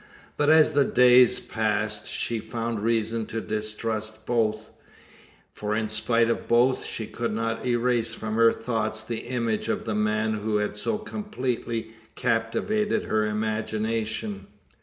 But as the days passed, she found reason to distrust both: for in spite of both, she could not erase from her thoughts the image of the man who had so completely captivated her imagination.